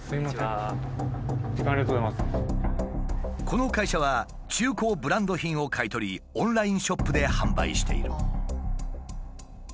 この会社は中古ブランド品を買い取りオンラインショップで販売している。